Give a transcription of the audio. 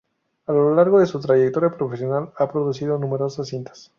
A lo largo de su trayectoria profesional ha producido numerosas cintas.